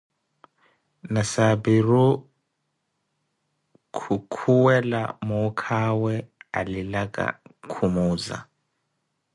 Nasapiru khukhuwela muukha awe alilaka, khumuuza.